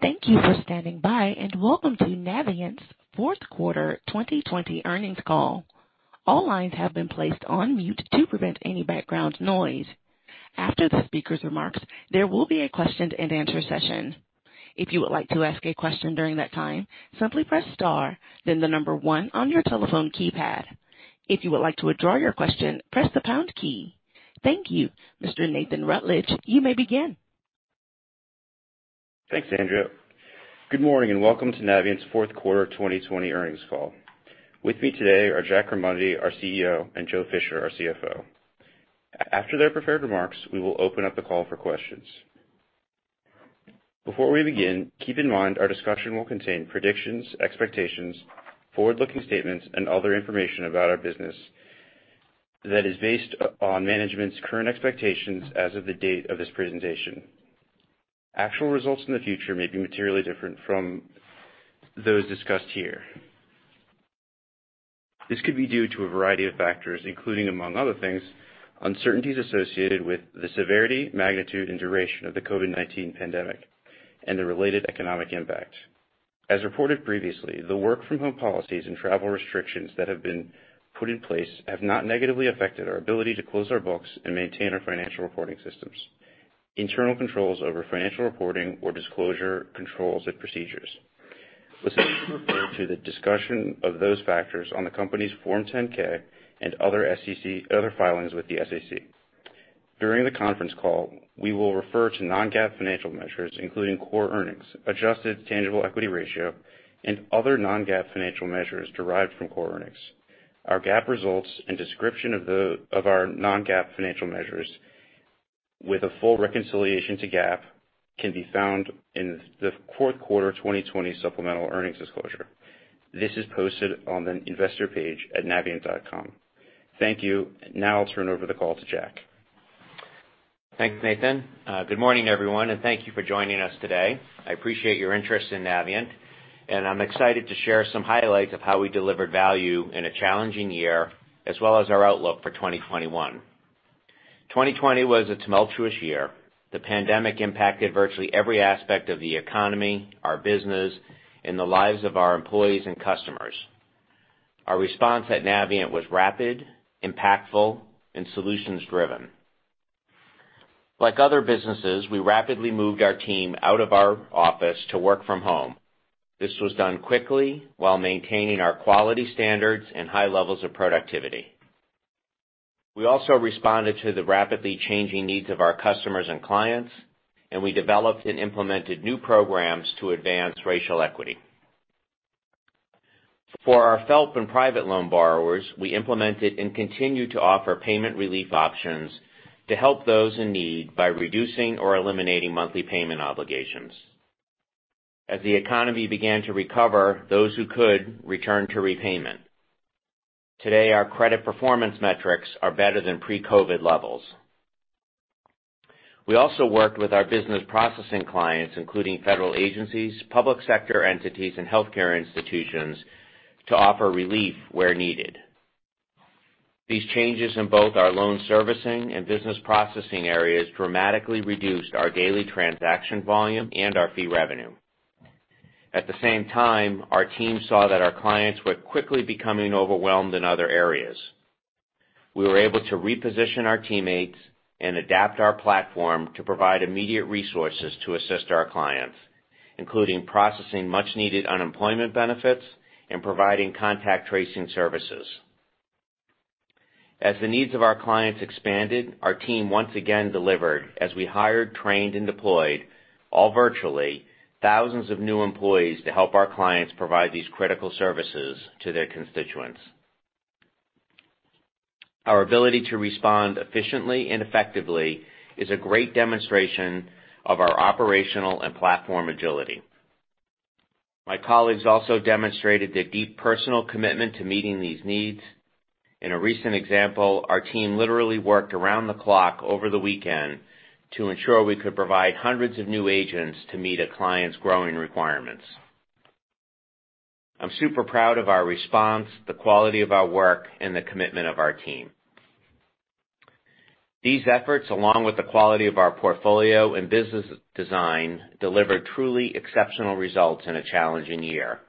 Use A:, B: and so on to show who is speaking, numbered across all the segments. A: Thank you for standing by, and welcome to Navient's fourth quarter 2020 earnings call. All lines have been placed on mute to prevent any background noise. After the speaker's remarks, there will be a question-and-answer session. If you would like to ask a question during that time, simply press star then the number one on your telephone keypad. If you would like to withdraw your question, press the pound key. Thank you. Mr. Nathan Rutledge, you may begin.
B: Thanks, Andrea. Good morning, welcome to Navient's fourth quarter 2020 earnings call. With me today are Jack Remondi, our CEO, and Joe Fisher, our CFO. After their prepared remarks, we will open up the call for questions. Before we begin, keep in mind our discussion will contain predictions, expectations, forward-looking statements, and other information about our business that is based on management's current expectations as of the date of this presentation. Actual results in the future may be materially different from those discussed here. This could be due to a variety of factors, including, among other things, uncertainties associated with the severity, magnitude, and duration of the COVID-19 pandemic and the related economic impact. As reported previously, the work from home policies and travel restrictions that have been put in place have not negatively affected our ability to close our books and maintain our financial reporting systems, internal controls over financial reporting or disclosure controls and procedures. Listeners are referred to the discussion of those factors on the company's Form 10-K and other filings with the SEC. During the conference call, we will refer to non-GAAP financial measures, including core earnings, Adjusted Tangible Equity Ratio, and other non-GAAP financial measures derived from core earnings. Our GAAP results and description of our non-GAAP financial measures with a full reconciliation to GAAP can be found in the fourth quarter 2020 supplemental earnings disclosure. This is posted on the investor page at navient.com. Thank you. Now I'll turn over the call to Jack.
C: Thanks, Nathan. Good morning, everyone, and thank you for joining us today. I appreciate your interest in Navient, and I'm excited to share some highlights of how we delivered value in a challenging year, as well as our outlook for 2021. 2020 was a tumultuous year. The pandemic impacted virtually every aspect of the economy, our business, and the lives of our employees and customers. Our response at Navient was rapid, impactful, and solutions driven. Like other businesses, we rapidly moved our team out of our office to work from home. This was done quickly while maintaining our quality standards and high levels of productivity. We also responded to the rapidly changing needs of our customers and clients, and we developed and implemented new programs to advance racial equity. For our FFELP and private loan borrowers, we implemented and continue to offer payment relief options to help those in need by reducing or eliminating monthly payment obligations. As the economy began to recover, those who could, returned to repayment. Today, our credit performance metrics are better than pre-COVID-19 levels. We also worked with our Business Processing clients, including federal agencies, public sector entities, and healthcare institutions, to offer relief where needed. These changes in both our loan servicing and Business Processing areas dramatically reduced our daily transaction volume and our fee revenue. At the same time, our team saw that our clients were quickly becoming overwhelmed in other areas. We were able to reposition our teammates and adapt our platform to provide immediate resources to assist our clients, including processing much needed unemployment benefits and providing contact tracing services. As the needs of our clients expanded, our team once again delivered as we hired, trained, and deployed, all virtually, thousands of new employees to help our clients provide these critical services to their constituents. Our ability to respond efficiently and effectively is a great demonstration of our operational and platform agility. My colleagues also demonstrated a deep personal commitment to meeting these needs. In a recent example, our team literally worked around the clock over the weekend to ensure we could provide hundreds of new agents to meet a client's growing requirements. I'm super proud of our response, the quality of our work, and the commitment of our team. These efforts, along with the quality of our portfolio and business design, delivered truly exceptional results in a challenging year.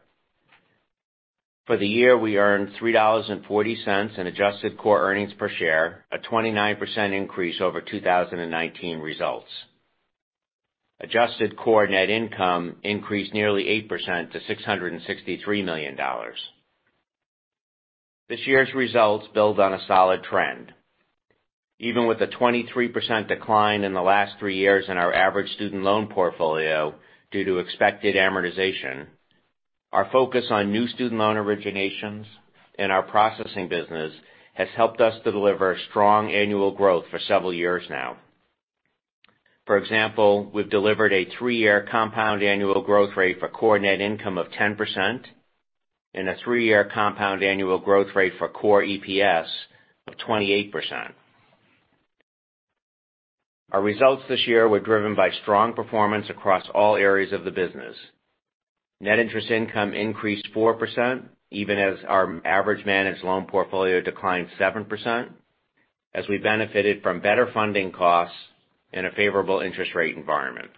C: For the year, we earned $3.40 in Adjusted Core Earnings per Share, a 29% increase over 2019 results. Adjusted Core Net Income increased nearly 8% to $663 million. This year's results build on a solid trend. Even with a 23% decline in the last three years in our average student loan portfolio due to expected amortization, our focus on new student loan originations and our processing business has helped us to deliver strong annual growth for several years now. For example, we've delivered a three-year compound annual growth rate for core net income of 10% and a three-year compound annual growth rate for core EPS of 28%. Our results this year were driven by strong performance across all areas of the business. Net interest income increased 4%, even as our average managed loan portfolio declined 7%, as we benefited from better funding costs and a favorable interest rate environment.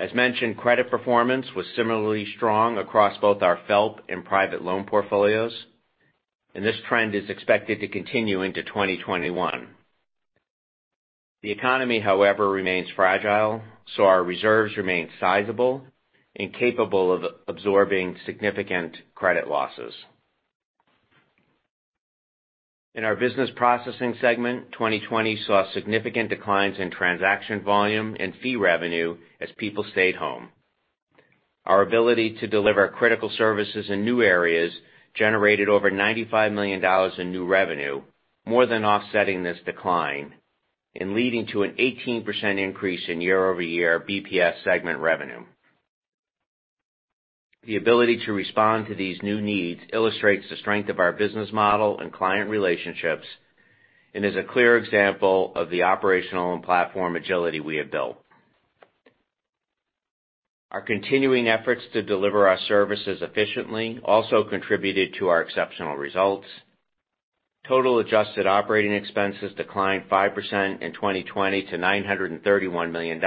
C: As mentioned, credit performance was similarly strong across both our FFELP and private loan portfolios, and this trend is expected to continue into 2021. The economy, however, remains fragile, so our reserves remain sizable and capable of absorbing significant credit losses. In our Business Processing segment, 2020 saw significant declines in transaction volume and fee revenue as people stayed home. Our ability to deliver critical services in new areas generated over $95 million in new revenue, more than offsetting this decline and leading to an 18% increase in year-over-year BPS segment revenue. The ability to respond to these new needs illustrates the strength of our business model and client relationships and is a clear example of the operational and platform agility we have built. Our continuing efforts to deliver our services efficiently also contributed to our exceptional results. Total adjusted operating expenses declined 5% in 2020 to $931 million,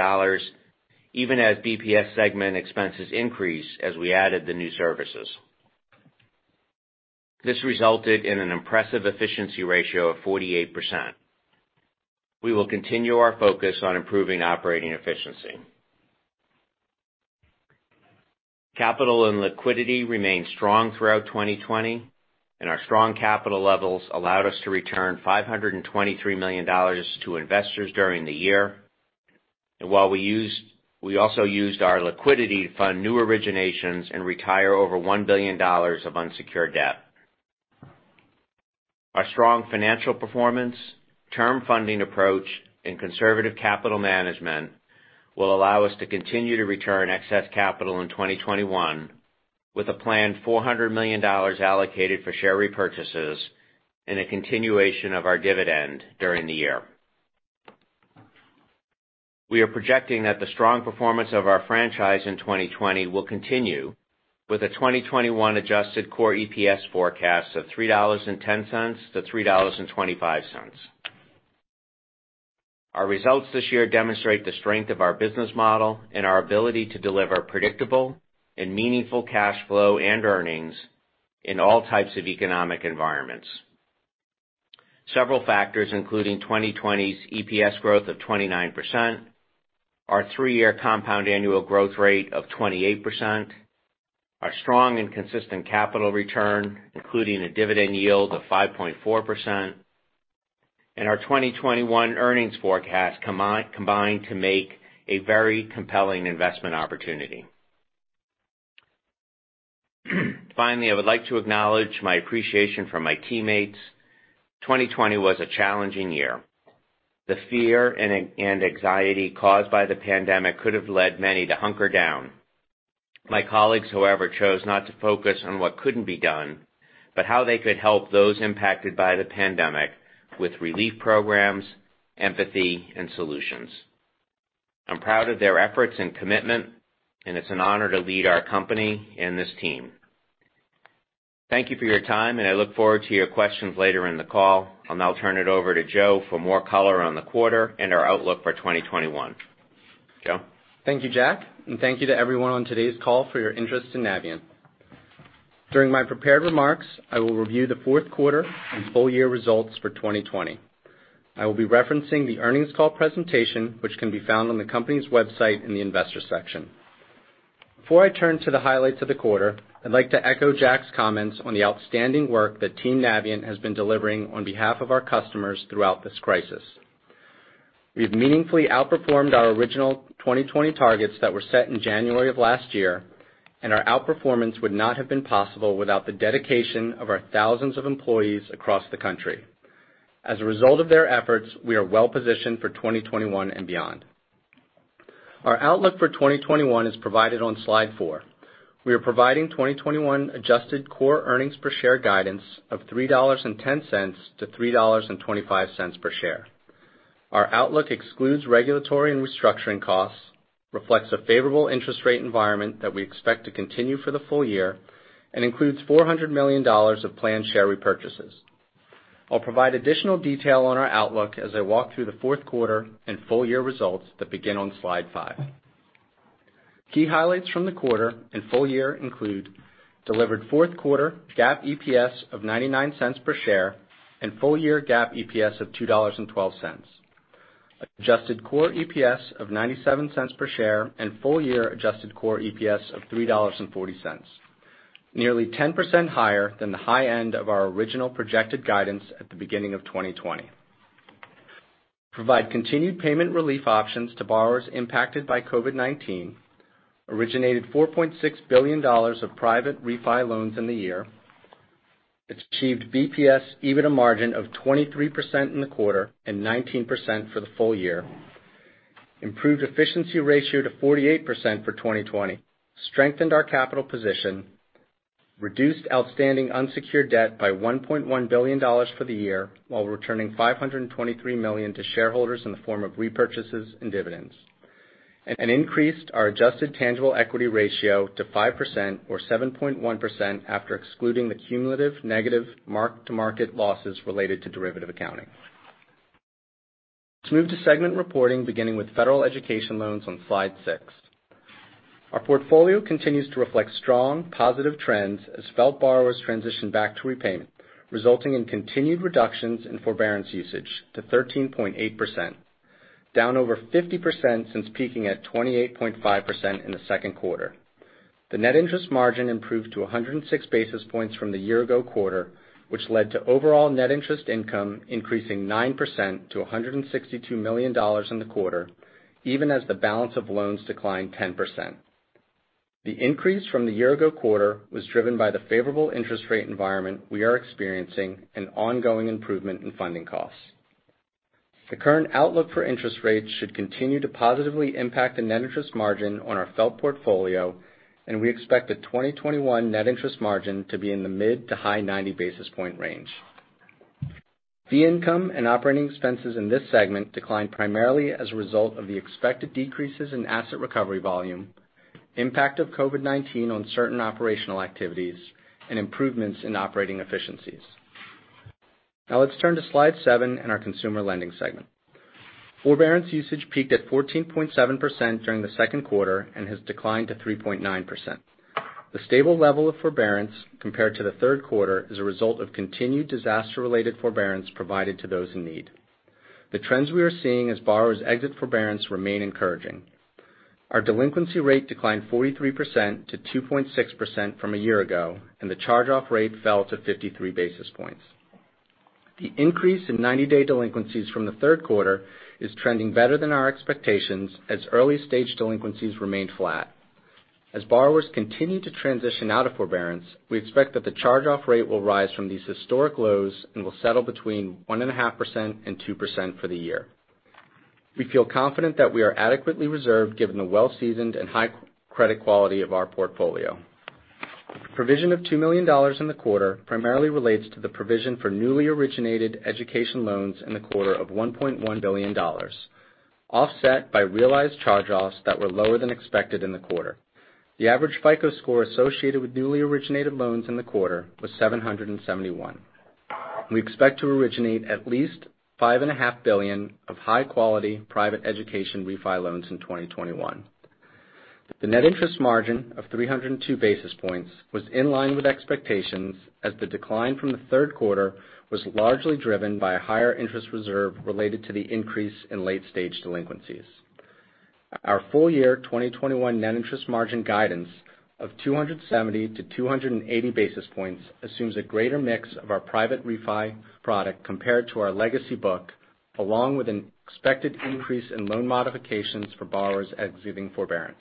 C: even as Business Processing segment expenses increased as we added the new services. This resulted in an impressive efficiency ratio of 48%. We will continue our focus on improving operating efficiency. Capital and liquidity remained strong throughout 2020, and our strong capital levels allowed us to return $523 million to investors during the year. While we also used our liquidity to fund new originations and retire over $1 billion of unsecured debt. Our strong financial performance, term funding approach, and conservative capital management will allow us to continue to return excess capital in 2021 with a planned $400 million allocated for share repurchases and a continuation of our dividend during the year. We are projecting that the strong performance of our franchise in 2020 will continue with a 2021 Adjusted Core EPS forecast of $3.10-$3.25. Our results this year demonstrate the strength of our business model and our ability to deliver predictable and meaningful cash flow and earnings in all types of economic environments. Several factors, including 2020's EPS growth of 29%, our three-year compound annual growth rate of 28%, our strong and consistent capital return, including a dividend yield of 5.4% and our 2021 earnings forecast combined to make a very compelling investment opportunity. I would like to acknowledge my appreciation for my teammates. 2020 was a challenging year. The fear and anxiety caused by the pandemic could have led many to hunker down. My colleagues, however, chose not to focus on what couldn't be done, but how they could help those impacted by the pandemic with relief programs, empathy, and solutions. I'm proud of their efforts and commitment, and it's an honor to lead our company and this team. Thank you for your time. I look forward to your questions later in the call. I'll now turn it over to Joe for more color on the quarter and our outlook for 2021. Joe?
D: Thank you, Jack, and thank you to everyone on today's call for your interest in Navient. During my prepared remarks, I will review the fourth quarter and full-year results for 2020. I will be referencing the earnings call presentation, which can be found on the company's website in the Investors section. Before I turn to the highlights of the quarter, I'd like to echo Jack's comments on the outstanding work that team Navient has been delivering on behalf of our customers throughout this crisis. We've meaningfully outperformed our original 2020 targets that were set in January of last year, and our outperformance would not have been possible without the dedication of our thousands of employees across the country. As a result of their efforts, we are well positioned for 2021 and beyond. Our outlook for 2021 is provided on slide four. We are providing 2021 Adjusted Core Earnings per Share guidance of $3.10-$3.25 per share. Our outlook excludes regulatory and restructuring costs, reflects a favorable interest rate environment that we expect to continue for the full year, and includes $400 million of planned share repurchases. I'll provide additional detail on our outlook as I walk through the fourth quarter and full-year results that begin on slide five. Key highlights from the quarter and full year include delivered fourth quarter GAAP EPS of $0.99 per share and full-year GAAP EPS of $2.12. Adjusted Core EPS of $0.97 per share and full-year Adjusted Core EPS of $3.40. Nearly 10% higher than the high end of our original projected guidance at the beginning of 2020. Provide continued payment relief options to borrowers impacted by COVID-19, originated $4.6 billion of private refi loans in the year. Achieved BPS EBITDA margin of 23% in the quarter and 19% for the full-year. Improved efficiency ratio to 48% for 2020, strengthened our capital position. Reduced outstanding unsecured debt by $1.1 billion for the year, while returning $523 million to shareholders in the form of repurchases and dividends, and increased our Adjusted Tangible Equity Ratio to 5% or 7.1% after excluding the cumulative negative mark-to-market losses related to derivative accounting. Let's move to segment reporting, beginning with federal education loans on slide six. Our portfolio continues to reflect strong positive trends as FFELP borrowers transition back to repayment, resulting in continued reductions in forbearance usage to 13.8%, down over 50% since peaking at 28.5% in the second quarter. The net interest margin improved to 106 basis points from the year ago quarter, which led to overall net interest income increasing 9% to $162 million in the quarter, even as the balance of loans declined 10%. The increase from the year ago quarter was driven by the favorable interest rate environment we are experiencing and ongoing improvement in funding costs. The current outlook for interest rates should continue to positively impact the net interest margin on our FFELP portfolio, and we expect the 2021 net interest margin to be in the mid to high 90 basis point range. Fee income and operating expenses in this segment declined primarily as a result of the expected decreases in asset recovery volume, impact of COVID-19 on certain operational activities, and improvements in operating efficiencies. Now let's turn to slide seven and our Consumer Lending segment. Forbearance usage peaked at 14.7% during the second quarter and has declined to 3.9%. The stable level of forbearance compared to the third quarter is a result of continued disaster-related forbearance provided to those in need. The trends we are seeing as borrowers exit forbearance remain encouraging. Our delinquency rate declined 43%-2.6% from a year ago, and the charge-off rate fell to 53 basis points. The increase in 90-day delinquencies from the third quarter is trending better than our expectations as early-stage delinquencies remain flat. As borrowers continue to transition out of forbearance, we expect that the charge-off rate will rise from these historic lows and will settle between 1.5% and 2% for the year. We feel confident that we are adequately reserved given the well-seasoned and high credit quality of our portfolio. Provision of $2 million in the quarter primarily relates to the provision for newly originated education loans in the quarter of $1.1 billion, offset by realized charge-offs that were lower than expected in the quarter. The average FICO score associated with newly originated loans in the quarter was 771. We expect to originate at least $5.5 billion of high-quality private education refi loans in 2021. The net interest margin of 302 basis points was in line with expectations as the decline from the third quarter was largely driven by a higher interest reserve related to the increase in late-stage delinquencies. Our full-year 2021 net interest margin guidance of 270-280 basis points assumes a greater mix of our private refi product compared to our legacy book, along with an expected increase in loan modifications for borrowers exiting forbearance.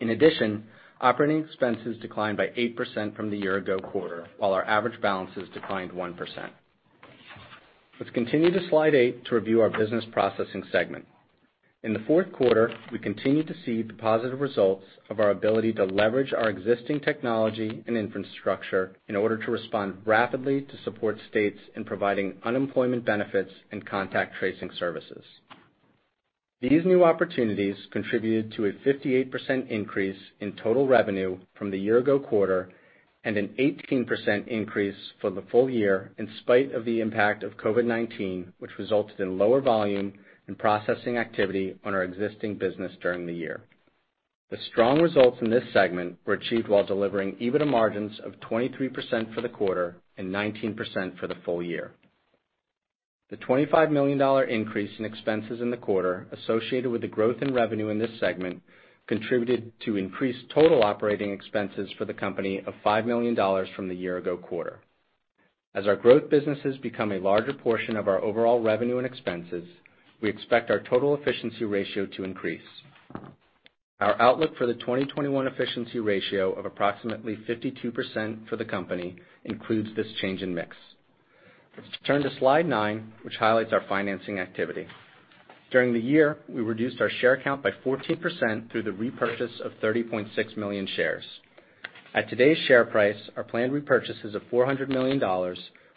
D: In addition, operating expenses declined by 8% from the year ago quarter, while our average balances declined 1%. Let's continue to slide eight to review our Business Processing segment. In the fourth quarter, we continued to see the positive results of our ability to leverage our existing technology and infrastructure in order to respond rapidly to support states in providing unemployment benefits and contact tracing services. These new opportunities contributed to a 58% increase in total revenue from the year ago quarter and an 18% increase for the full-year in spite of the impact of COVID-19, which resulted in lower volume and processing activity on our existing business during the year. The strong results in this segment were achieved while delivering EBITDA margins of 23% for the quarter and 19% for the full-year. The $25 million increase in expenses in the quarter associated with the growth in revenue in this segment contributed to increased total operating expenses for the company of $5 million from the year ago quarter. As our growth businesses become a larger portion of our overall revenue and expenses, we expect our total efficiency ratio to increase. Our outlook for the 2021 efficiency ratio of approximately 52% for the company includes this change in mix. Let's turn to slide nine, which highlights our financing activity. During the year, we reduced our share count by 14% through the repurchase of 30.6 million shares. At today's share price, our planned repurchases of $400 million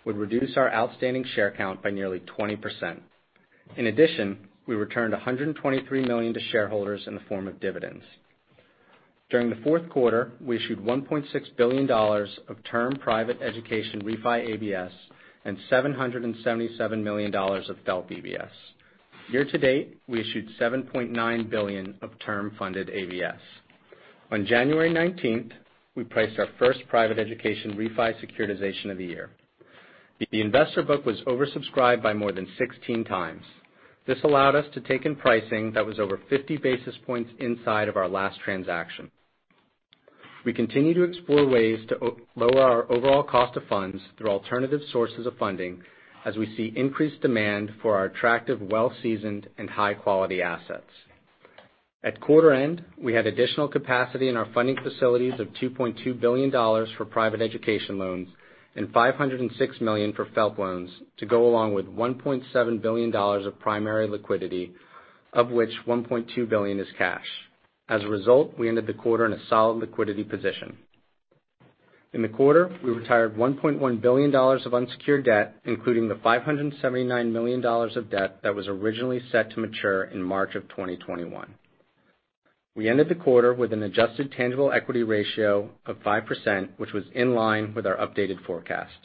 D: would reduce our outstanding share count by nearly 20%. In addition, we returned $123 million to shareholders in the form of dividends. During the fourth quarter, we issued $1.6 billion of term private education refi ABS and $777 million of FFELP ABS. Year to date, we issued $7.9 billion of term funded ABS. On January 19th, we priced our first private education refi securitization of the year. The investor book was oversubscribed by more than 16x. This allowed us to take in pricing that was over 50 basis points inside of our last transaction. We continue to explore ways to lower our overall cost of funds through alternative sources of funding as we see increased demand for our attractive, well-seasoned, and high-quality assets. At quarter end, we had additional capacity in our funding facilities of $2.2 billion for private education loans and $506 million for FFELP loans to go along with $1.7 billion of primary liquidity, of which $1.2 billion is cash. As a result, we ended the quarter in a solid liquidity position. In the quarter, we retired $1.1 billion of unsecured debt, including the $579 million of debt that was originally set to mature in March of 2021. We ended the quarter with an Adjusted Tangible Equity Ratio of 5%, which was in line with our updated forecast.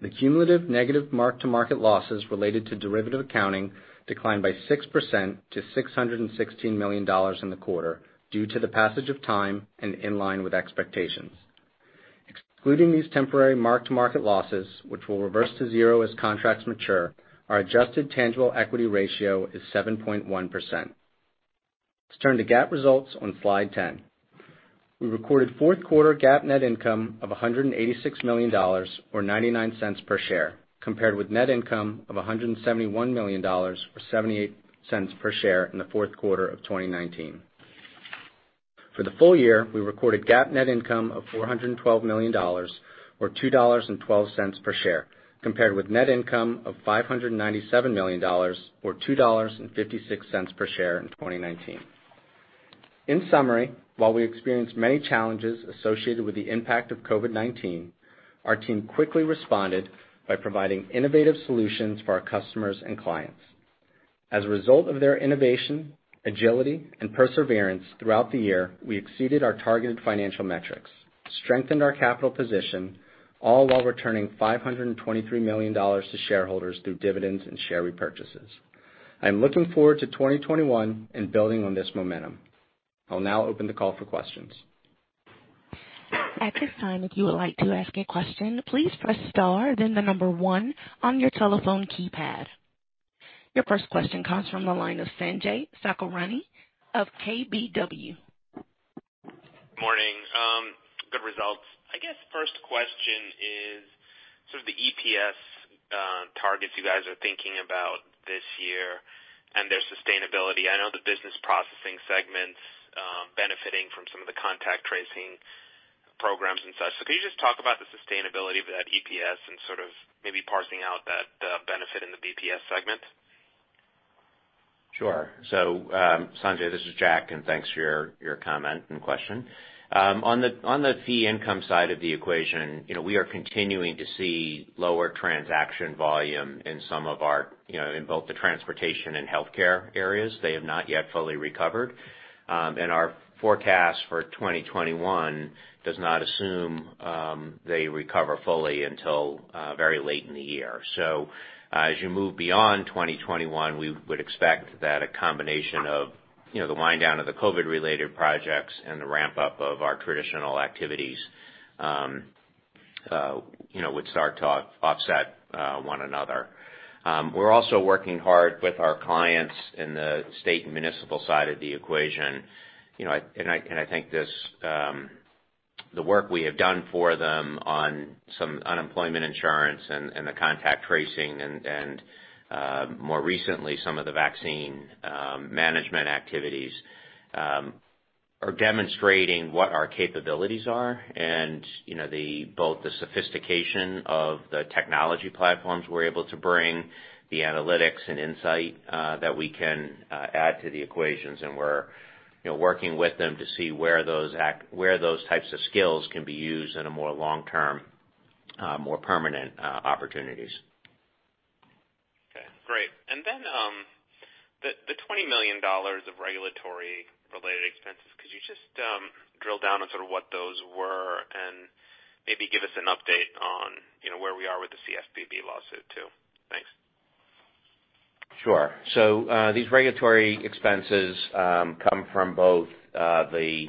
D: The cumulative negative mark-to-market losses related to derivative accounting declined by 6% to $616 million in the quarter, due to the passage of time and in line with expectations. Excluding these temporary mark-to-market losses, which will reverse to zero as contracts mature, our Adjusted Tangible Equity Ratio is 7.1%. Let's turn to GAAP results on slide 10. We recorded fourth quarter GAAP net income of $186 million, or $0.99 per share, compared with net income of $171 million or $0.78 per share in the fourth quarter of 2019. For the full year, we recorded GAAP net income of $412 million, or $2.12 per share, compared with net income of $597 million or $2.56 per share in 2019. In summary, while we experienced many challenges associated with the impact of COVID-19, our team quickly responded by providing innovative solutions for our customers and clients. As a result of their innovation, agility, and perseverance throughout the year, we exceeded our targeted financial metrics, strengthened our capital position, all while returning $523 million to shareholders through dividends and share repurchases. I'm looking forward to 2021 and building on this momentum. I'll now open the call for questions.
A: At this time if would like to ask a question please press star then the number one on your telephone keypad. Your first question comes from the line of Sanjay Sakhrani of KBW.
E: Morning. Good results. I guess first question is sort of the EPS targets you guys are thinking about this year and their sustainability. I know the Business Processing segment's benefiting from some of the contact tracing programs and such. Could you just talk about the sustainability of that EPS and sort of maybe parsing out that benefit in the BPS segment?
C: Sure. Sanjay, this is Jack, and thanks for your comment and question. On the fee income side of the equation, we are continuing to see lower transaction volume in both the transportation and healthcare areas. They have not yet fully recovered. Our forecast for 2021 does not assume they recover fully until very late in the year. As you move beyond 2021, we would expect that a combination of the wind down of the COVID-19 related projects and the ramp-up of our traditional activities would start to offset one another. We're also working hard with our clients in the state and municipal side of the equation. I think the work we have done for them on some unemployment insurance and the contact tracing and, more recently, some of the vaccine management activities, are demonstrating what our capabilities are. Both the sophistication of the technology platforms we're able to bring, the analytics and insight that we can add to the equations, and we're working with them to see where those types of skills can be used in a more long-term, more permanent opportunities.
E: Okay, great. Then the $20 million of regulatory related expenses, could you just drill down on sort of what those were and maybe give us an update on where we are with the CFPB lawsuit too? Thanks.
D: Sure. These regulatory expenses come from both the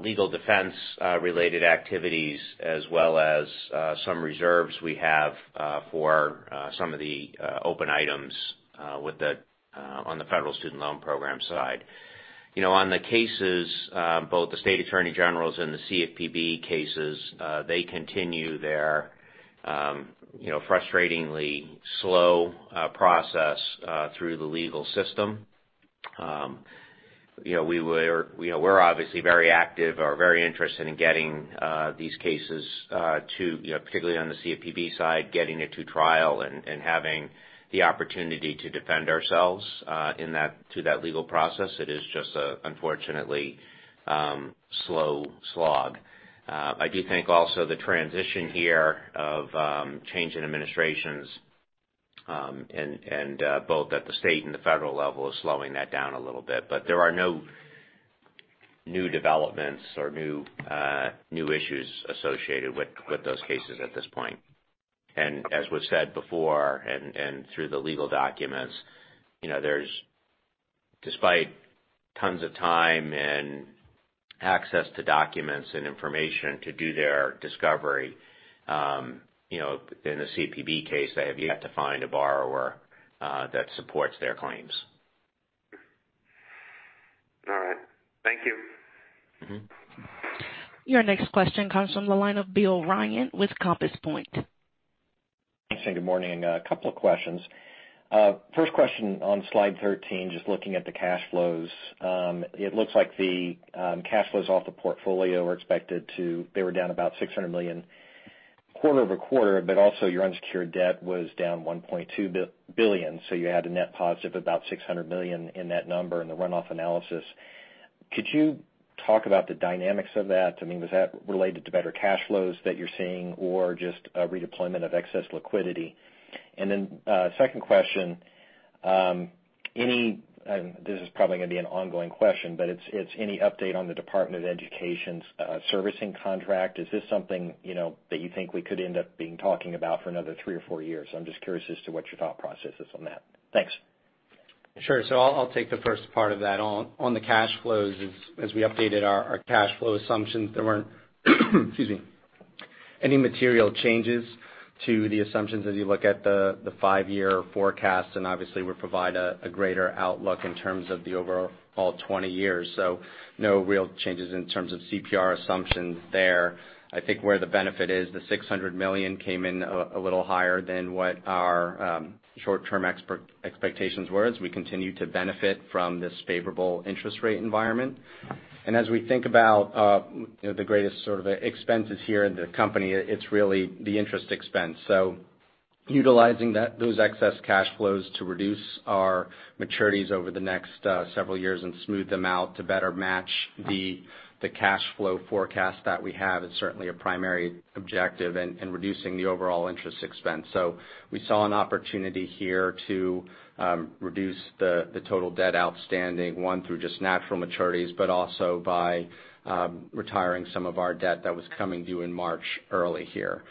D: legal defense related activities as well as some reserves we have for some of the open items on the federal student loan program side. On the cases, both the state attorney generals and the CFPB cases, they continue their frustratingly slow process through the legal system. We're obviously very active or very interested in getting these cases, particularly on the CFPB side, getting it to trial and having the opportunity to defend ourselves to that legal process. It is just unfortunately a slow slog. I do think also the transition here of change in administrations both at the state and the federal level is slowing that down a little bit. There are no new developments or new issues associated with those cases at this point. As was said before and through the legal documents, despite tons of time and access to documents and information to do their discovery in the CFPB case, they have yet to find a borrower that supports their claims.
E: All right. Thank you.
A: Your next question comes from the line of Bill Ryan with Compass Point.
F: Thanks. Good morning. A couple of questions. First question on slide 13, just looking at the cash flows. It looks like the cash flows off the portfolio, they were down about $600 million quarter-over-quarter, but also your unsecured debt was down $1.2 billion, so you had a net positive, about $600 million in that number in the runoff analysis. Could you talk about the dynamics of that? Was that related to better cash flows that you're seeing or just a redeployment of excess liquidity? Second question, this is probably going to be an ongoing question, but it's any update on the Department of Education's servicing contract. Is this something that you think we could end up being talking about for another three or four years? I'm just curious as to what your thought process is on that. Thanks.
D: Sure. I'll take the first part of that on the cash flows as we updated our cash flow assumptions. There weren't excuse me, any material changes to the assumptions as you look at the five-year forecast, and obviously we provide a greater outlook in terms of the overall 20 years. No real changes in terms of CPR assumptions there. I think where the benefit is the $600 million came in a little higher than what our short-term expectations were as we continue to benefit from this favorable interest rate environment. As we think about the greatest sort of expenses here in the company, it's really the interest expense. Utilizing those excess cash flows to reduce our maturities over the next several years and smooth them out to better match the cash flow forecast that we have is certainly a primary objective in reducing the overall interest expense. We saw an opportunity here to reduce the total debt outstanding, one, through just natural maturities, but also by retiring some of our debt that was coming due in March early here.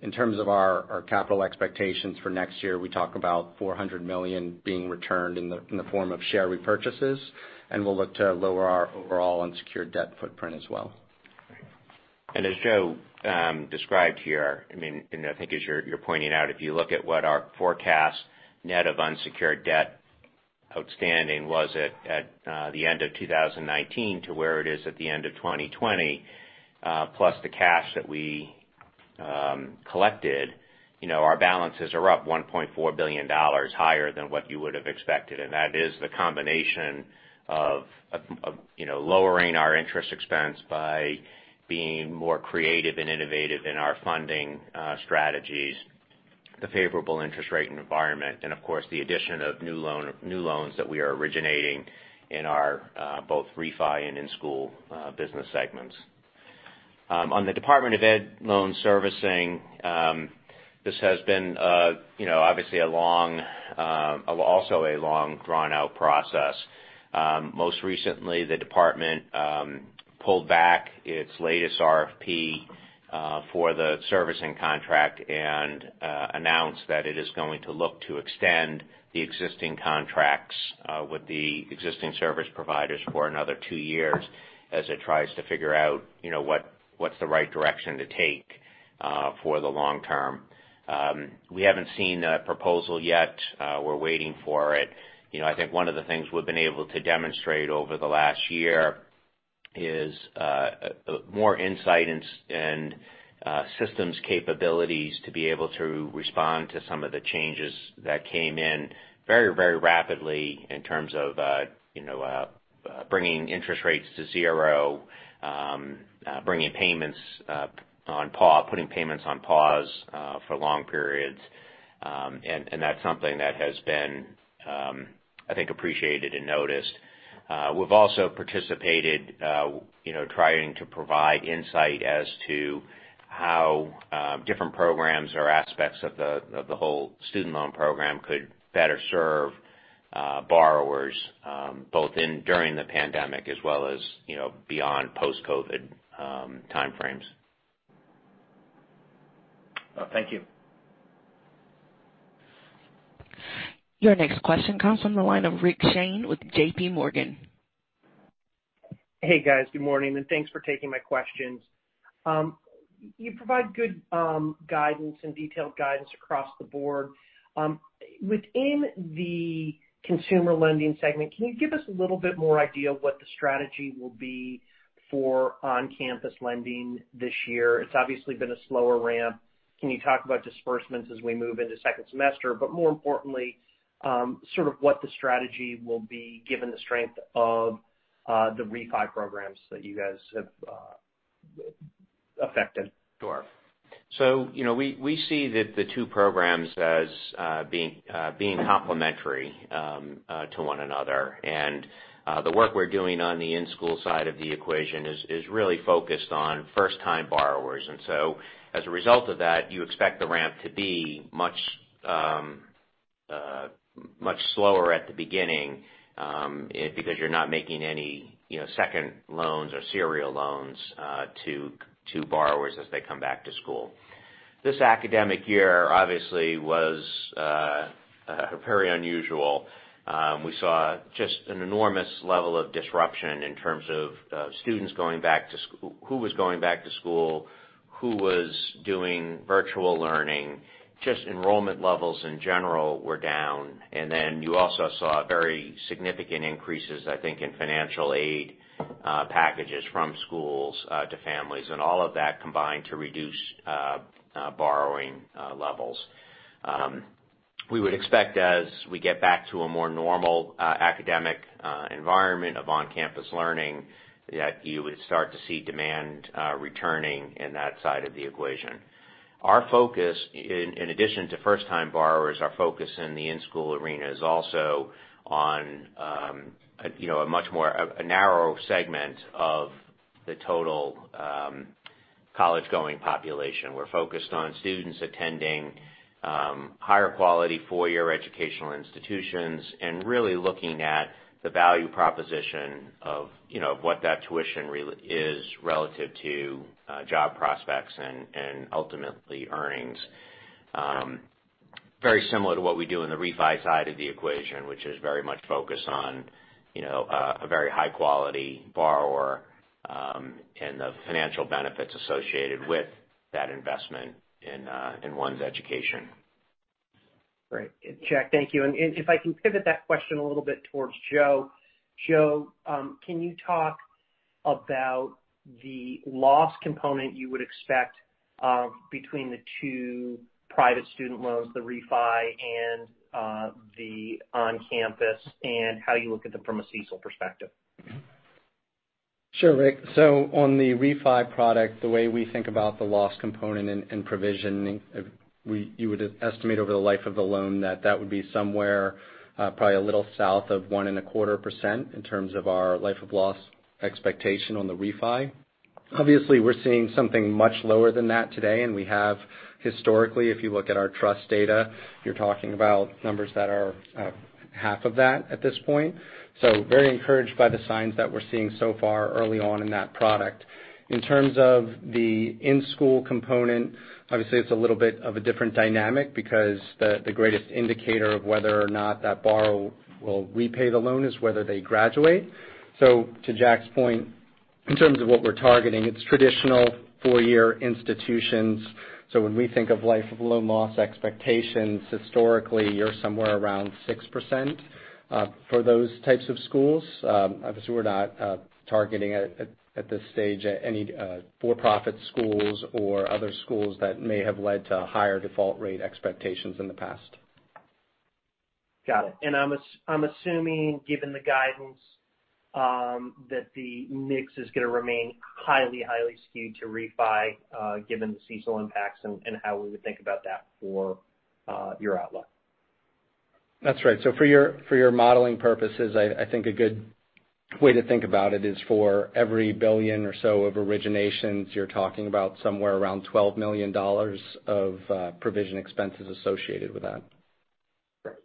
D: In terms of our capital expectations for next year, we talk about $400 million being returned in the form of share repurchases, and we'll look to lower our overall unsecured debt footprint as well.
C: As Joe described here, and I think as you're pointing out, if you look at what our forecast net of unsecured debt outstanding was at the end of 2019 to where it is at the end of 2020, plus the cash that we collected, our balances are up $1.4 billion higher than what you would have expected. That is the combination of lowering our interest expense by being more creative and innovative in our funding strategies, the favorable interest rate environment, and of course, the addition of new loans that we are originating in our both refi and in-school business segments. On the Department of Ed loan servicing, this has been obviously also a long drawn-out process. Most recently, the Department pulled back its latest RFP for the servicing contract and announced that it is going to look to extend the existing contracts with the existing service providers for another two years as it tries to figure out what's the right direction to take for the long term. We haven't seen a proposal yet. We're waiting for it. I think one of the things we've been able to demonstrate over the last year is more insight and systems capabilities to be able to respond to some of the changes that came in very rapidly in terms of bringing interest rates to zero, putting payments on pause for long periods. That's something that has been, I think, appreciated and noticed. We've also participated trying to provide insight as to how different programs or aspects of the whole student loan program could better serve borrowers both during the pandemic as well as beyond post-COVID timeframes.
F: Thank you.
A: Your next question comes from the line of Rick Shane with JPMorgan.
G: Hey, guys. Good morning, and thanks for taking my questions. You provide good guidance and detailed guidance across the board. Within the Consumer Lending segment, can you give us a little bit more idea of what the strategy will be for on-campus lending this year? It's obviously been a slower ramp. Can you talk about disbursements as we move into second semester? More importantly, sort of what the strategy will be given the strength of the refi programs that you guys have affected.
C: Sure. We see that the two programs as being complementary to one another. The work we're doing on the in-school side of the equation is really focused on first-time borrowers. As a result of that, you expect the ramp to be much slower at the beginning because you're not making any second loans or serial loans to borrowers as they come back to school. This academic year obviously was very unusual. We saw just an enormous level of disruption in terms of students going back to school, who was going back to school, who was doing virtual learning. Just enrollment levels in general were down. You also saw very significant increases, I think, in financial aid packages from schools to families. All of that combined to reduce borrowing levels. We would expect as we get back to a more normal academic environment of on-campus learning, that you would start to see demand returning in that side of the equation. Our focus, in addition to first-time borrowers, our focus in the in-school arena is also on a much more, a narrow segment of the total college-going population. We're focused on students attending higher quality four-year educational institutions and really looking at the value proposition of what that tuition really is relative to job prospects and ultimately earnings. Very similar to what we do in the refi side of the equation, which is very much focused on a very high-quality borrower, and the financial benefits associated with that investment in one's education.
G: Great. Jack, thank you. If I can pivot that question a little bit towards Joe. Joe, can you talk about the loss component you would expect between the two private student loans, the refi and the on-campus, and how you look at them from a CECL perspective?
D: Sure, Rick. On the refi product, the way we think about the loss component and provisioning, you would estimate over the life of the loan that that would be somewhere probably a little south of 1.25% in terms of our life of loss expectation on the refi. Obviously, we're seeing something much lower than that today, and we have historically, if you look at our trust data, you're talking about numbers that are half of that at this point. Very encouraged by the signs that we're seeing so far early on in that product. In terms of the in-school component, obviously it's a little bit of a different dynamic because the greatest indicator of whether or not that borrower will repay the loan is whether they graduate. To Jack's point, in terms of what we're targeting, it's traditional four-year institutions. When we think of life of loan loss expectations, historically, you're somewhere around 6% for those types of schools. Obviously, we're not targeting at this stage any for-profit schools or other schools that may have led to higher default rate expectations in the past.
G: Got it. I'm assuming, given the guidance, that the mix is going to remain highly skewed to refi, given the CECL impacts and how we would think about that for your outlook.
D: That's right. For your modeling purposes, I think a good way to think about it is for every billion or so of originations, you're talking about somewhere around $12 million of provision expenses associated with that.
G: Great.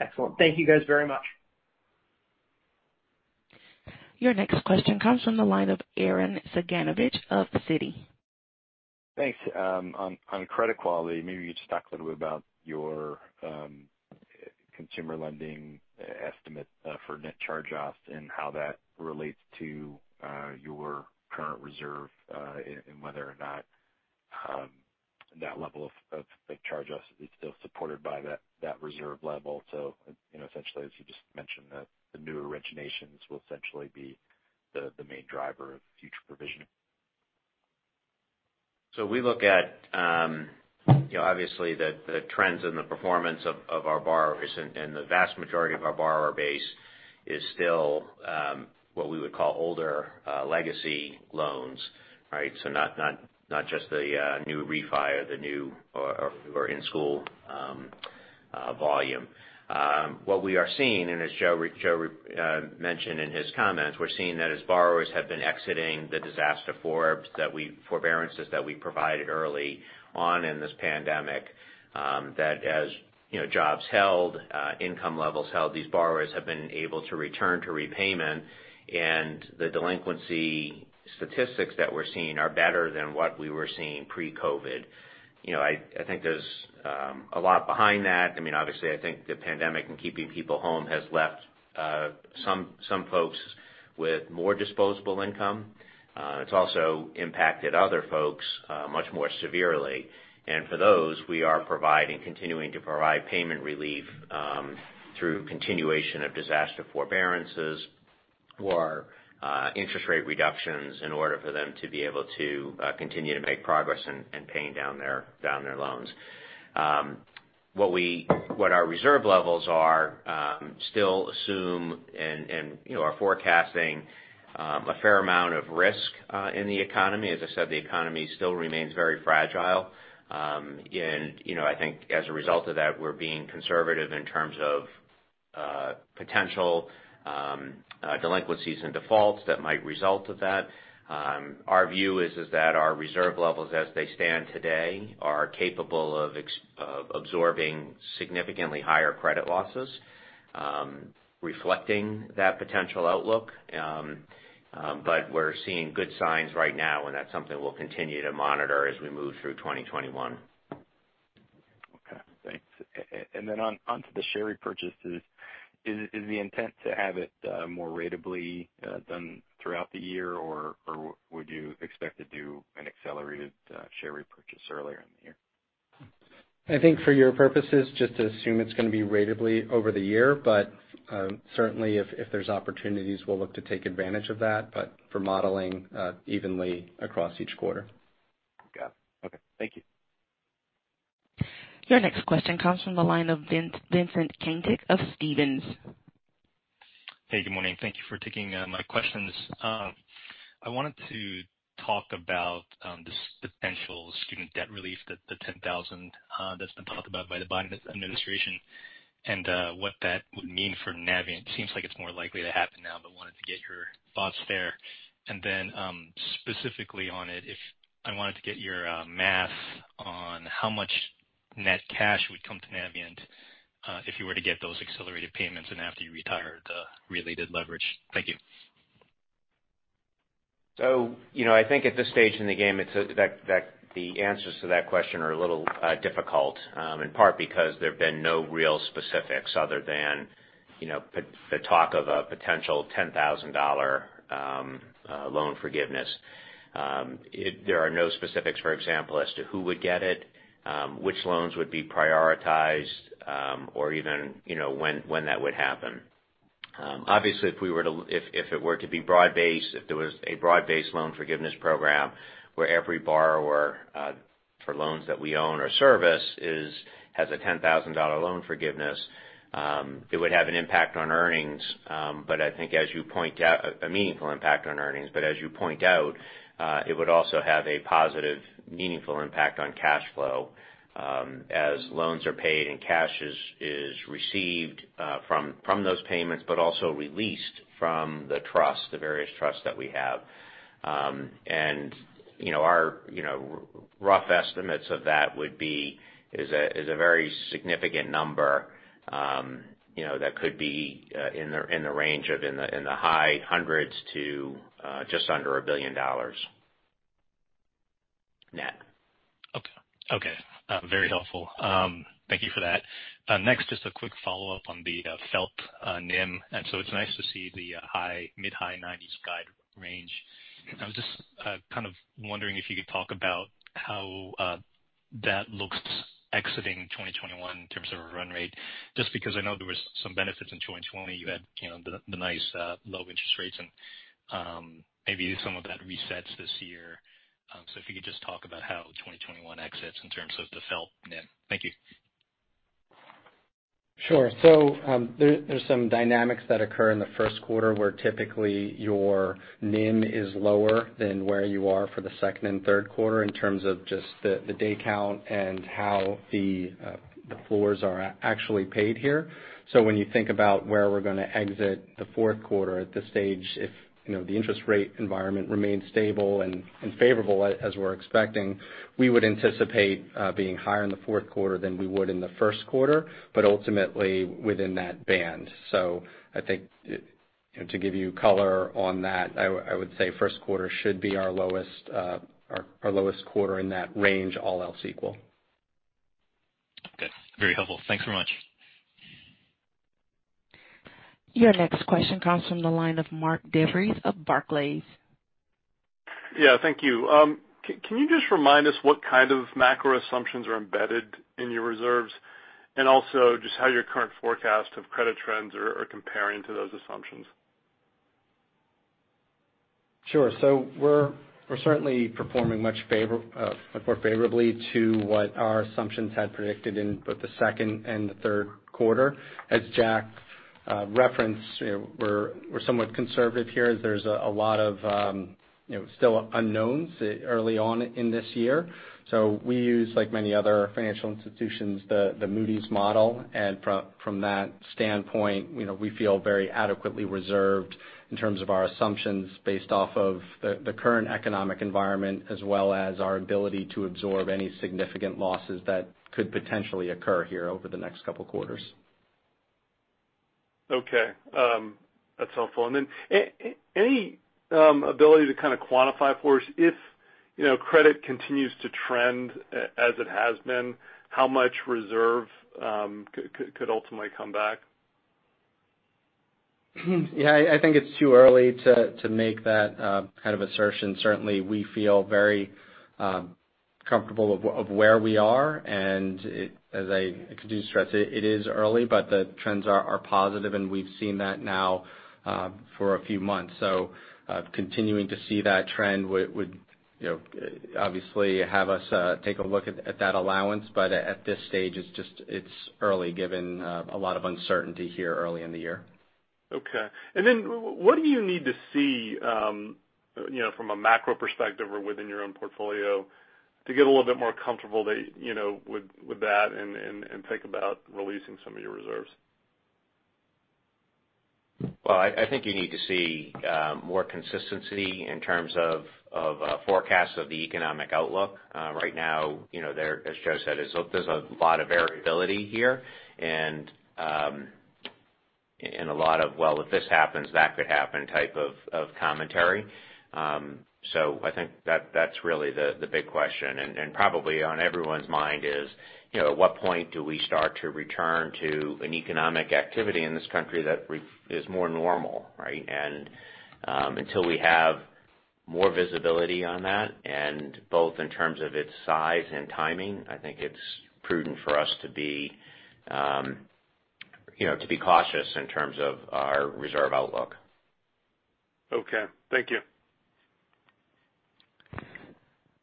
G: Excellent. Thank you guys very much.
A: Your next question comes from the line of Arren Cyganovich of Citi.
H: Thanks. On credit quality, maybe you could just talk a little bit about your Consumer Lending estimate for net charge-offs and how that relates to your current reserve, and whether or not that level of charge-offs is still supported by that reserve level. Essentially, as you just mentioned, the new originations will essentially be the main driver of future provisioning.
C: We look at obviously the trends and the performance of our borrowers and the vast majority of our borrower base is still what we would call older legacy loans, right? Not just the new refi or in-school volume. What we are seeing, and as Joe mentioned in his comments, we're seeing that as borrowers have been exiting the disaster forbearances that we provided early on in this pandemic, that as jobs held, income levels held, these borrowers have been able to return to repayment. The delinquency statistics that we're seeing are better than what we were seeing pre-COVID. I think there's a lot behind that. Obviously, I think the pandemic and keeping people home has left some folks with more disposable income. It's also impacted other folks much more severely. For those, we are continuing to provide payment relief through continuation of disaster forbearances or interest rate reductions in order for them to be able to continue to make progress in paying down their loans. What our reserve levels are still assume and are forecasting a fair amount of risk in the economy. As I said, the economy still remains very fragile. I think as a result of that, we're being conservative in terms of potential delinquencies and defaults that might result of that. Our view is that our reserve levels as they stand today are capable of absorbing significantly higher credit losses, reflecting that potential outlook. We're seeing good signs right now, and that's something we'll continue to monitor as we move through 2021.
H: Okay, thanks. Then onto the share repurchases. Is the intent to have it more ratably done throughout the year? Or would you expect to do an accelerated share repurchase earlier in the year?
D: I think for your purposes, just assume it's going to be ratably over the year. Certainly if there's opportunities, we'll look to take advantage of that, but for modeling evenly across each quarter.
H: Got it. Okay. Thank you.
A: Your next question comes from the line of Vincent Caintic of Stephens.
I: Hey, good morning. Thank you for taking my questions. I wanted to talk about the potential student debt relief, the 10,000 that's been talked about by the Biden administration and what that would mean for Navient. Seems like it's more likely to happen now, but wanted to get your thoughts there. Specifically on it, I wanted to get your math on how much net cash would come to Navient if you were to get those accelerated payments and after you retired the related leverage. Thank you.
C: I think at this stage in the game, the answers to that question are a little difficult, in part because there have been no real specifics other than the talk of a potential $10,000 loan forgiveness. There are no specifics, for example, as to who would get it, which loans would be prioritized, or even when that would happen. Obviously, if it were to be broad-based, if there was a broad-based loan forgiveness program where every borrower for loans that we own or service has a $10,000 loan forgiveness, it would have an impact on earnings. A meaningful impact on earnings. As you point out, it would also have a positive, meaningful impact on cash flow as loans are paid and cash is received from those payments, but also released from the various trusts that we have. Our rough estimates of that is a very significant number that could be in the range of in the high hundreds to just under $1 billion net.
I: Okay. Very helpful. Thank you for that. Next, just a quick follow-up on the FFELP NIM. It's nice to see the mid-high 90s guide range. I was just kind of wondering if you could talk about how that looks exiting 2021 in terms of a run rate, just because I know there was some benefits in 2020. You had the nice low interest rates and maybe some of that resets this year. If you could just talk about how 2021 exits in terms of the FFELP NIM. Thank you.
D: Sure. There's some dynamics that occur in the first quarter where typically your NIM is lower than where you are for the second and third quarter in terms of just the day count and how the floors are actually paid here. When you think about where we're going to exit the fourth quarter at this stage, if the interest rate environment remains stable and favorable as we're expecting, we would anticipate being higher in the fourth quarter than we would in the first quarter, but ultimately within that band. I think to give you color on that, I would say first quarter should be our lowest quarter in that range, all else equal.
I: Okay. Very helpful. Thanks very much.
A: Your next question comes from the line of Mark DeVries of Barclays.
J: Yeah. Thank you. Can you just remind us what kind of macro assumptions are embedded in your reserves, and also just how your current forecast of credit trends are comparing to those assumptions?
D: Sure. We're certainly performing much more favorably to what our assumptions had predicted in both the second and the third quarter. As Jack referenced, we're somewhat conservative here as there's a lot of still unknowns early on in this year. We use, like many other financial institutions, the Moody's model. From that standpoint, we feel very adequately reserved in terms of our assumptions based off of the current economic environment as well as our ability to absorb any significant losses that could potentially occur here over the next couple of quarters.
J: Okay. That's helpful. Then any ability to kind of quantify for us if credit continues to trend as it has been, how much reserve could ultimately come back?
C: Yeah, I think it's too early to make that kind of assertion. Certainly, we feel very comfortable of where we are. As I continue to stress, it is early, but the trends are positive, and we've seen that now for a few months. Continuing to see that trend would obviously have us take a look at that allowance. At this stage, it's early given a lot of uncertainty here early in the year.
J: Okay. Then what do you need to see from a macro perspective or within your own portfolio to get a little bit more comfortable with that and think about releasing some of your reserves?
C: Well, I think you need to see more consistency in terms of forecasts of the economic outlook. Right now, as Joe said, there's a lot of variability here and a lot of, well, if this happens, that could happen type of commentary. I think that's really the big question, and probably on everyone's mind is at what point do we start to return to an economic activity in this country that is more normal, right? Until we have more visibility on that, and both in terms of its size and timing, I think it's prudent for us to be cautious in terms of our reserve outlook.
J: Okay. Thank you.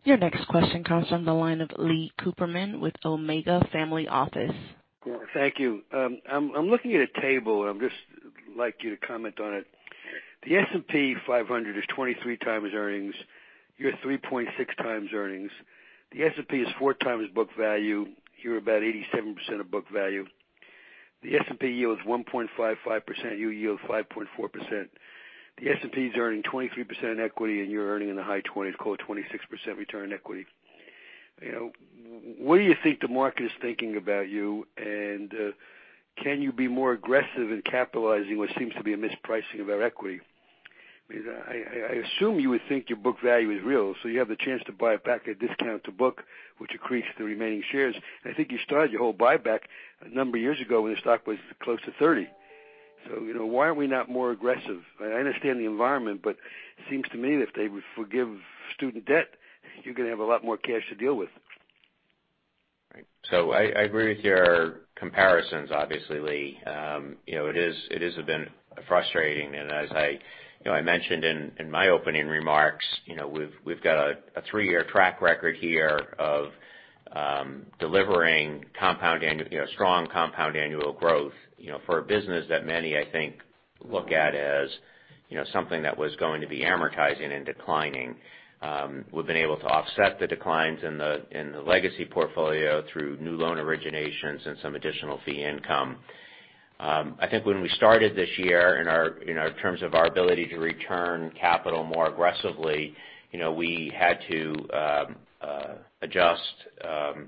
A: Your next question comes from the line of Lee Cooperman with Omega Family Office.
K: Thank you. I'm looking at a table, and I'd just like you to comment on it. The S&P 500 is 23x earnings. You're 3.6x earnings. The S&P is four times book value. You're about 87% of book value. The S&P yields 1.55%. You yield 5.4%. The S&P is earning 23% equity, and you're earning in the high 20s, call it 26% return equity. What do you think the market is thinking about you? Can you be more aggressive in capitalizing what seems to be a mispricing of our equity? I assume you would think your book value is real, so you have the chance to buy back at discount to book, which accretes the remaining shares. I think you started your whole buyback a number of years ago when the stock was close to $30. Why are we not more aggressive? I understand the environment. It seems to me that if they forgive student debt, you're going to have a lot more cash to deal with.
C: Right. I agree with your comparisons, obviously, Lee. It has been frustrating. As I mentioned in my opening remarks, we've got a three-year track record here of delivering strong compound annual growth for a business that many, I think, look at as something that was going to be amortizing and declining. We've been able to offset the declines in the legacy portfolio through new loan originations and some additional fee income. I think when we started this year in our terms of our ability to return capital more aggressively, we had to adjust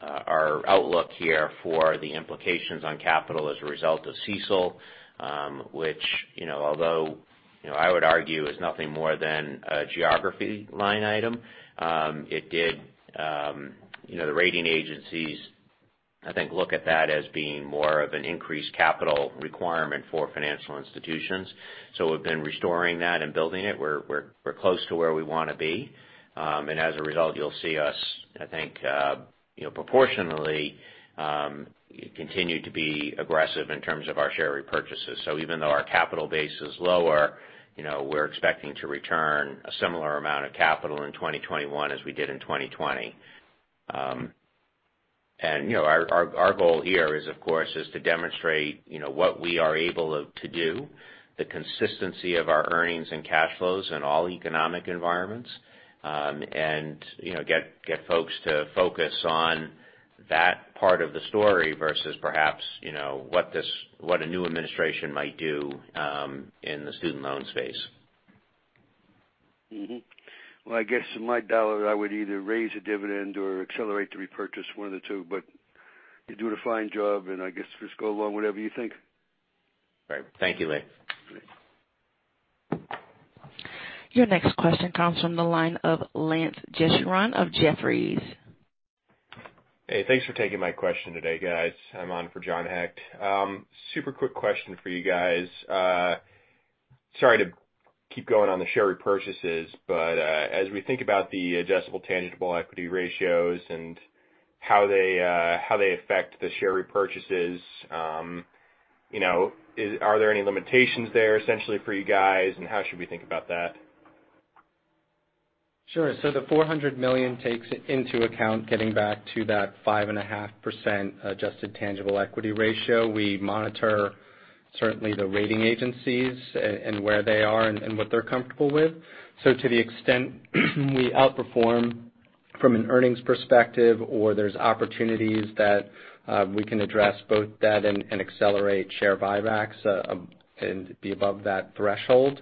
C: our outlook here for the implications on capital as a result of CECL which although I would argue is nothing more than a geography line item. The rating agencies, I think, look at that as being more of an increased capital requirement for financial institutions. We've been restoring that and building it. We're close to where we want to be. As a result, you'll see us, I think, proportionally continue to be aggressive in terms of our share repurchases. Even though our capital base is lower, we're expecting to return a similar amount of capital in 2021 as we did in 2020. Our goal here is, of course, is to demonstrate what we are able to do, the consistency of our earnings and cash flows in all economic environments, and get folks to focus on that part of the story versus perhaps what a new administration might do in the student loan space.
K: Well, I guess my dollar, I would either raise a dividend or accelerate the repurchase, one of the two. You do a fine job, and I guess just go along, whatever you think.
C: All right. Thank you, Lee.
A: Your next question comes from the line of Lance Jessurun of Jefferies.
L: Hey, thanks for taking my question today, guys. I'm on for John Hecht. Super quick question for you guys. Sorry to keep going on the share repurchases, but as we think about the Adjusted Tangible Equity ratios and how they affect the share repurchases, are there any limitations there essentially for you guys, and how should we think about that?
D: Sure. The $400 million takes into account getting back to that 5.5% Adjusted Tangible Equity Ratio. We monitor certainly the rating agencies and where they are and what they're comfortable with. To the extent we outperform from an earnings perspective or there's opportunities that we can address both debt and accelerate share buybacks and be above that threshold,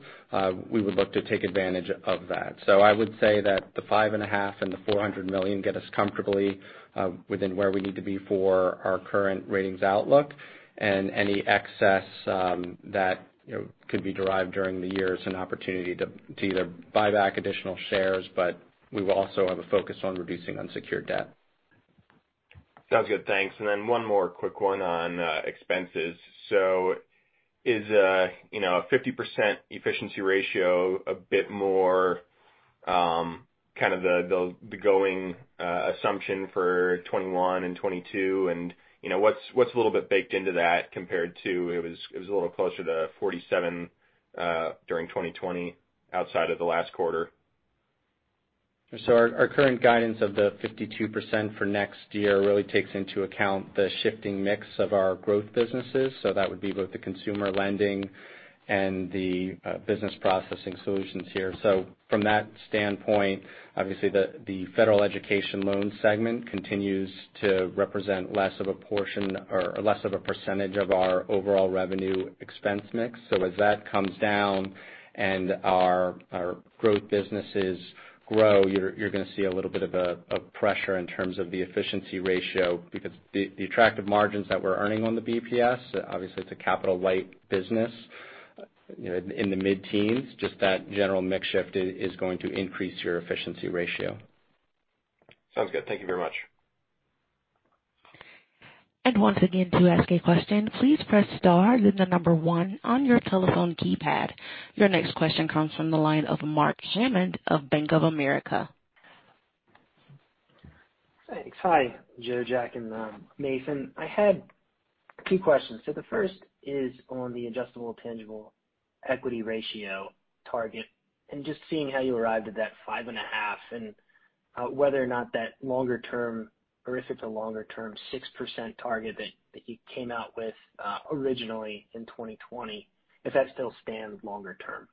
D: we would look to take advantage of that. I would say that the 5.5% and the $400 million get us comfortably within where we need to be for our current ratings outlook. Any excess that could be derived during the year is an opportunity to either buy back additional shares, but we will also have a focus on reducing unsecured debt.
L: Sounds good. Thanks. One more quick one on expenses. Is a 50% efficiency ratio a bit more kind of the going assumption for 2021 and 2022? What's a little bit baked into that compared to, it was a little closer to 47% during 2020, outside of the last quarter?
D: Our current guidance of the 52% for next year really takes into account the shifting mix of our growth businesses. That would be both the Consumer Lending and the Business Processing solutions here. From that standpoint, obviously the federal education loan segment continues to represent less of a portion or less of a percentage of our overall revenue expense mix. As that comes down and our growth businesses grow, you're going to see a little bit of pressure in terms of the efficiency ratio because the attractive margins that we're earning on the BPS, obviously it's a capital-light business in the mid-teens. Just that general mix shift is going to increase your efficiency ratio.
L: Sounds good. Thank you very much.
A: Once again, to ask a question, please press star then the number one on your telephone keypad. Your next question comes from the line of Mark Hammond of Bank of America.
M: Thanks. Hi, Joe, Jack, and Nathan. I had two questions. The first is on the Adjusted Tangible Equity Ratio target, and just seeing how you arrived at that five and a half, and whether or not that longer term, or if it's a longer term 6% target that you came out with originally in 2020, if that still stands longer term?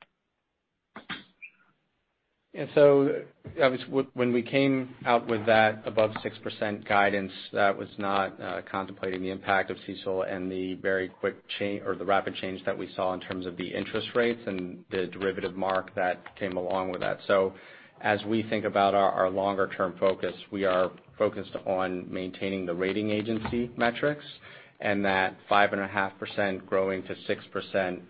D: When we came out with that above 6% guidance, that was not contemplating the impact of CECL and the very rapid change that we saw in terms of the interest rates and the derivative mark that came along with that. As we think about our longer term focus, we are focused on maintaining the rating agency metrics, and that 5.5% growing to 6%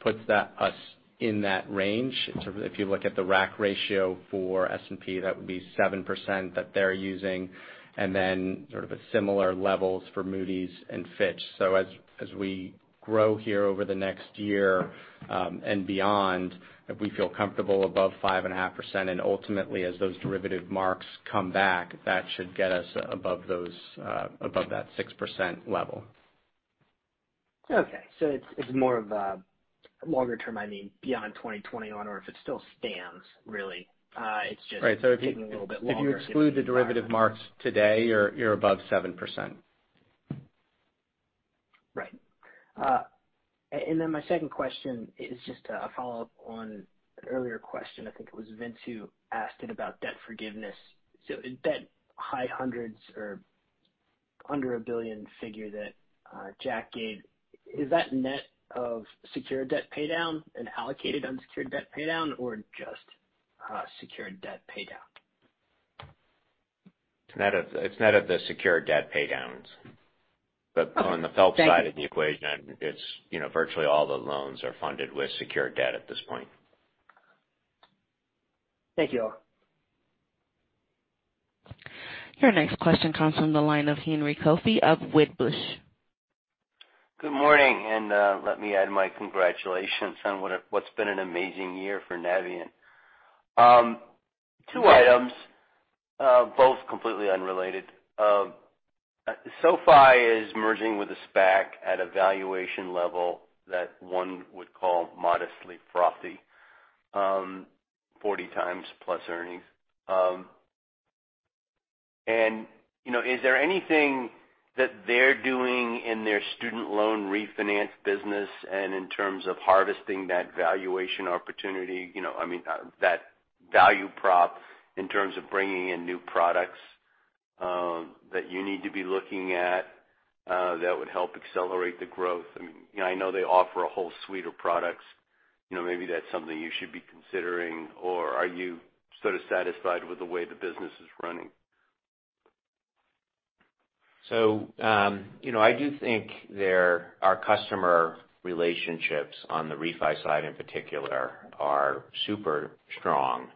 D: puts us in that range. If you look at the RAC ratio for S&P, that would be 7% that they're using, and then sort of similar levels for Moody's and Fitch. As we grow here over the next year and beyond, if we feel comfortable above 5.5%, and ultimately as those derivative marks come back, that should get us above that 6% level.
M: Okay, so it's more of a longer term, I mean, beyond 2021, or if it still stands, really.
D: Right.
M: -taking a little bit longer.
D: If you exclude the derivative marks today, you're above 7%.
M: Right. My second question is just a follow-up on an earlier question. I think it was Vince who asked it about debt forgiveness. In that high hundreds or under $1 billion figure that Jack gave, is that net of secured debt pay down and allocated unsecured debt pay down, or just secured debt pay down?
C: It's net of the secured debt pay downs.
M: Oh. Thank you.
C: On the FFELP side of the equation, virtually all the loans are funded with secured debt at this point.
M: Thank you all.
A: Your next question comes from the line of Henry Coffey of Wedbush.
N: Good morning, and let me add my congratulations on what's been an amazing year for Navient. Two items, both completely unrelated. SoFi is merging with a SPAC at a valuation level that one would call modestly frothy, 40x plus earnings. Is there anything that they're doing in their student loan refinance business and in terms of harvesting that valuation opportunity, I mean that value prop in terms of bringing in new products that you need to be looking at that would help accelerate the growth? I know they offer a whole suite of products. Maybe that's something you should be considering, or are you sort of satisfied with the way the business is running?
C: I do think our customer relationships on the refi side in particular are super strong.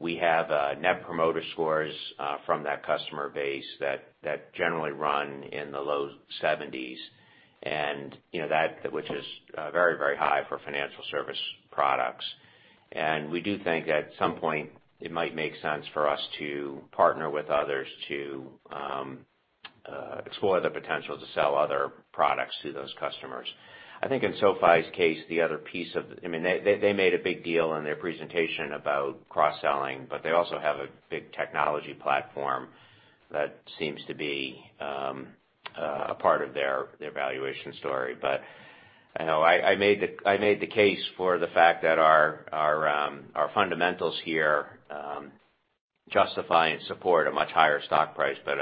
C: We have Net Promoter Scores from that customer base that generally run in the low 70s, which is very high for financial service products. We do think at some point it might make sense for us to partner with others to explore the potential to sell other products to those customers. I think in SoFi's case, they made a big deal in their presentation about cross-selling, but they also have a big technology platform that seems to be a part of their valuation story. I made the case for the fact that our fundamentals here justify and support a much higher stock price, but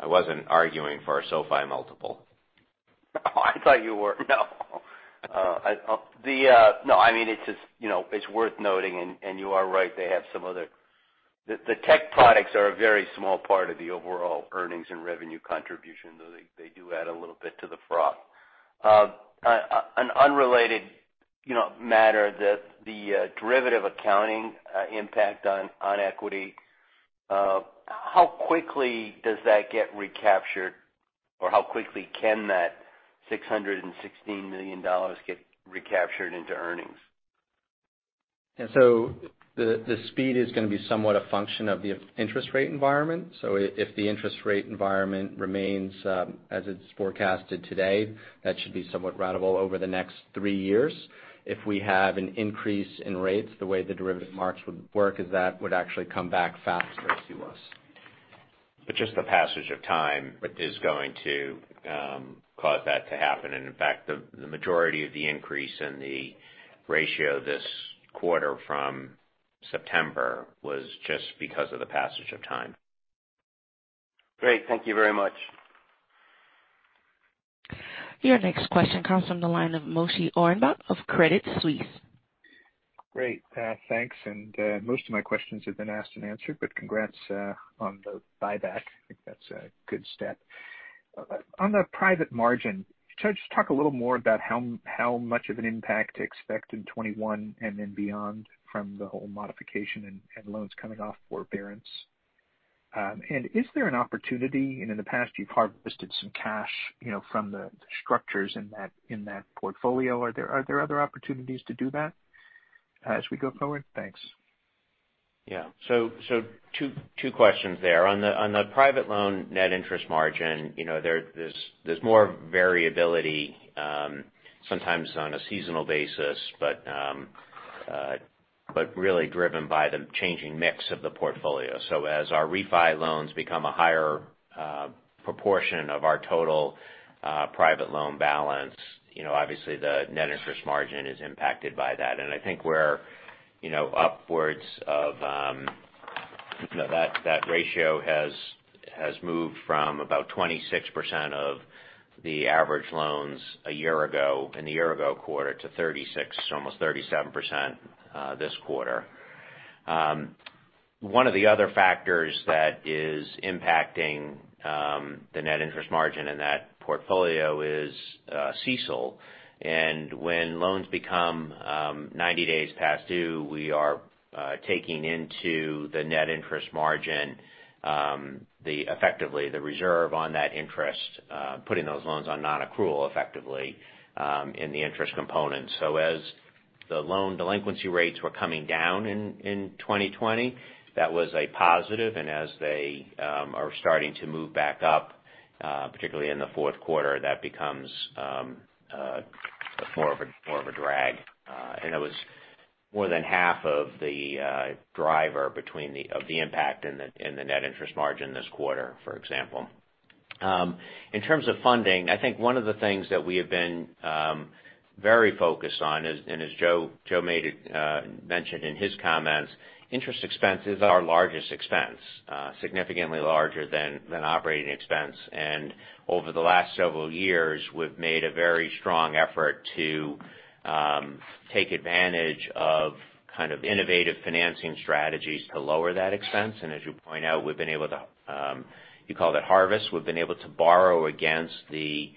C: I wasn't arguing for a SoFi multiple.
N: Oh, I thought you were. No. I mean, it's worth noting, and you are right, the tech products are a very small part of the overall earnings and revenue contribution, though they do add a little bit to the froth. An unrelated matter, the derivative accounting impact on equity. How quickly does that get recaptured, or how quickly can that $616 million get recaptured into earnings?
D: The speed is going to be somewhat a function of the interest rate environment. If the interest rate environment remains as it's forecasted today, that should be somewhat ratable over the next three years. If we have an increase in rates, the way the derivative marks would work is that would actually come back faster to us.
C: Just the passage of time is going to cause that to happen. In fact, the majority of the increase in the ratio this quarter from September was just because of the passage of time.
N: Great. Thank you very much.
A: Your next question comes from the line of Moshe Orenbuch of Credit Suisse.
O: Great. Thanks. Most of my questions have been asked and answered. Congrats on the buyback. I think that's a good step. On the private margin, could you just talk a little more about how much of an impact to expect in 2021 and then beyond from the whole modification and loans coming off forbearance? Is there an opportunity, and in the past, you've harvested some cash from the structures in that portfolio. Are there other opportunities to do that as we go forward? Thanks.
C: Yeah. Two questions there. On the private loan net interest margin, there's more variability, sometimes on a seasonal basis, but really driven by the changing mix of the portfolio. As our refi loans become a higher proportion of our total private loan balance, obviously the net interest margin is impacted by that. I think that ratio has moved from about 26% of the average loans a year ago, in the year-ago quarter, to 36%, almost 37% this quarter. One of the other factors that is impacting the net interest margin in that portfolio is CECL. When loans become 90 days past due, we are taking into the net interest margin effectively the reserve on that interest, putting those loans on non-accrual effectively in the interest component. As the loan delinquency rates were coming down in 2020, that was a positive. As they are starting to move back up, particularly in the fourth quarter, that becomes more of a drag. It was more than half of the driver of the impact in the net interest margin this quarter, for example. In terms of funding, I think one of the things that we have been very focused on is, and as Joe mentioned in his comments, interest expense is our largest expense, significantly larger than operating expense. Over the last several years, we've made a very strong effort to take advantage of kind of innovative financing strategies to lower that expense. As you point out, we've been able to, you called it harvest. We've been able to borrow against the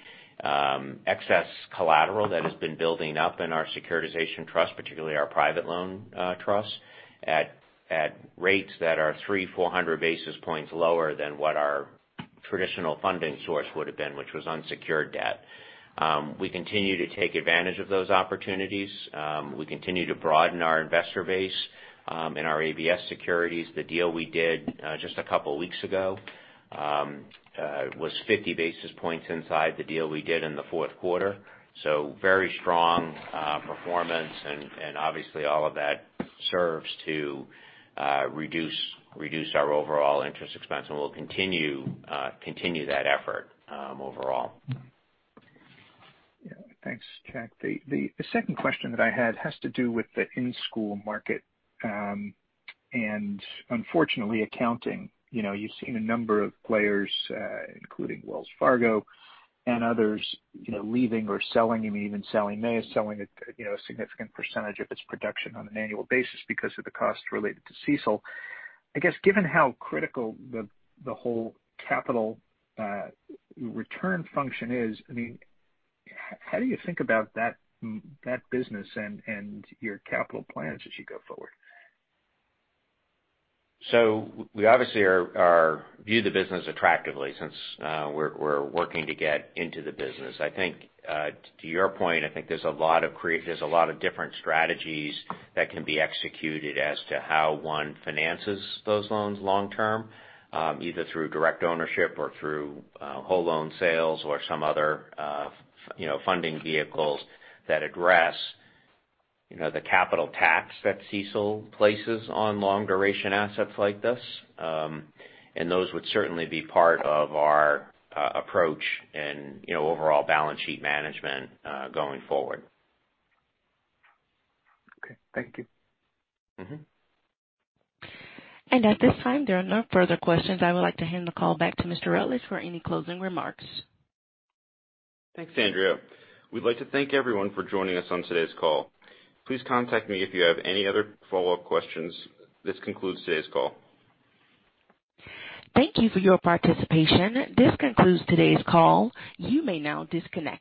C: excess collateral that has been building up in our securitization trust, particularly our private loan trust, at rates that are three, 400 basis points lower than what our traditional funding source would have been, which was unsecured debt. We continue to take advantage of those opportunities. We continue to broaden our investor base in our ABS securities. The deal we did just a couple weeks ago was 50 basis points inside the deal we did in the fourth quarter. Very strong performance, and obviously all of that serves to reduce our overall interest expense, and we'll continue that effort overall.
O: Yeah. Thanks, Jack. The second question that I had has to do with the in-school market. Unfortunately, accounting. You've seen a number of players including Wells Fargo and others leaving or selling. I mean, even Sallie Mae is selling a significant percentage of its production on an annual basis because of the cost related to CECL. I guess, given how critical the whole capital return function is, how do you think about that business and your capital plans as you go forward?
C: We obviously view the business attractively since we're working to get into the business. To your point, I think there's a lot of different strategies that can be executed as to how one finances those loans long term, either through direct ownership or through whole loan sales or some other funding vehicles that address the capital tax that CECL places on long duration assets like this. Those would certainly be part of our approach and overall balance sheet management going forward.
O: Okay. Thank you.
A: At this time, there are no further questions. I would like to hand the call back to Mr. Rutledge for any closing remarks.
B: Thanks, Andrea. We'd like to thank everyone for joining us on today's call. Please contact me if you have any other follow-up questions. This concludes today's call.
A: Thank you for your participation. This concludes today's call. You may now disconnect.